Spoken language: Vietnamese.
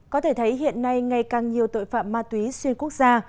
có thể thấy hiện nay ngày càng nhiều tội phạm ma túy xuyên quốc gia